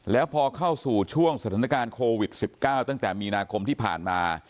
แล้วพอเข้าสู่ช่วงสถานการณ์โควิด๑๙ตั้งแต่มีนาคมที่ผ่านมา